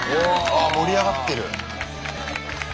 ああ盛り上がってる。